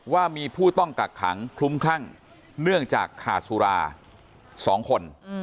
ว่ามีผู้ต้องกักขังคลุ้มคลั่งเนื่องจากขาดสุรา๒คน